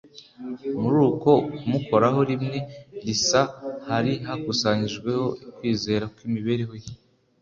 muri uko kumukoraho rimwe risa hari hakusanyirijwemo kwizera kw’imibereho ye